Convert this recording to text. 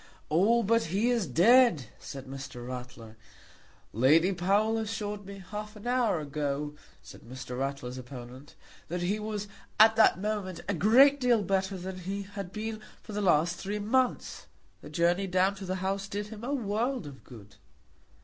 "Oh, but he is dead," said Mr. Ratler. "Lady Powell assured me half an hour ago," said Mr. Ratler's opponent, "that he was at that moment a great deal better than he had been for the last three months. The journey down to the House did him a world of good."